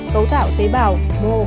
cấu tạo tế bào mô